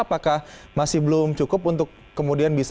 apakah masih belum cukup untuk kemudian bisa